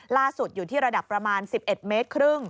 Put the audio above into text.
ล่าสุดอยู่ที่ระดับประมาณ๑๑เมตรครึ่ง